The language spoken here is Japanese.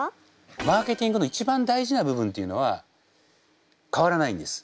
マーケティングの一番大事な部分っていうのは変わらないんです。